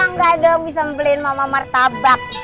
wah gemay banget dong bisa beliin mama martabak